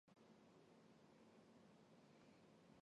毛脉翅果菊是菊科翅果菊属的植物。